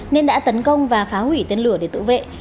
nên đã tấn công và phá hủy tên lửa để tự vệ